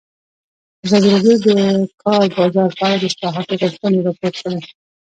ازادي راډیو د د کار بازار په اړه د اصلاحاتو غوښتنې راپور کړې.